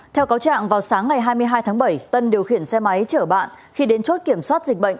theo cáo trạng vào sáng ngày hai mươi hai tháng bảy tân điều khiển xe máy chở bạn khi đến chốt kiểm soát dịch bệnh